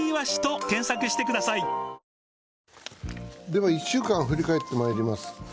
では１週間を振り返ってまいります。